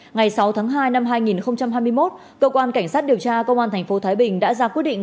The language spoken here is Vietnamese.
ngày sáu tháng hai năm hai nghìn hai mươi một cơ quan cảnh sát điều tra công an tp thái bình đã ra quyết định